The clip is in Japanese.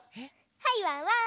はいワンワン。